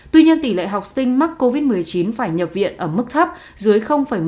tuy nhiên tỷ lệ học sinh mắc covid một mươi chín phải nhập viện ở mức thấp dưới một mươi